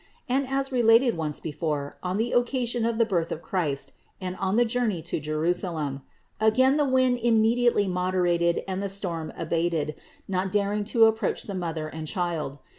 And, as related once before, at the occasion of the birth of Christ and of the journey to Jerusalem, again the wind immediately moderated and the storm abated, not daring to approach the Mother and Child.